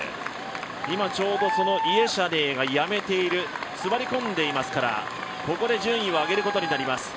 今ちょうどイェシャネーがやめている座り込んでいますからここで順位を上げることになります。